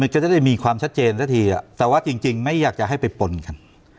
จะได้มีความชัดเจนซะทีแต่ว่าจริงไม่อยากจะให้ไปปนกัน